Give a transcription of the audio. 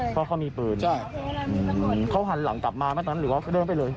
เพราะเขามีปืนเขาหันหลังกลับมาไหมตอนนั้นหรือว่าเขาเดินไปเลย